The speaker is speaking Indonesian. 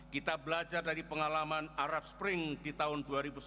kita belajar dari pengalaman arab spring di tahun dua ribu sembilan belas